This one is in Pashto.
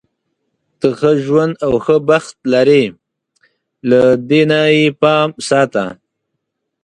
ته ښه ژوند او ښه بخت لری، له دې نه یې پام ساته.